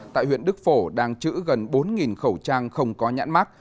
tại huyện đức phổ đang chữ gần bốn khẩu trang không có nhãn mát